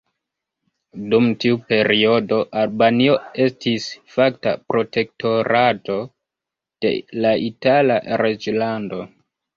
Dum tiu periodo Albanio estis fakta protektorato de la Itala reĝlando.